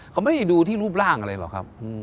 เขาไม่ได้ดูที่รูปร่างอะไรหรอกครับ